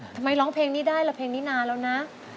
ทำไมร้องเพลงนี้ได้ล่ะเพลงนี้นานแล้วนะ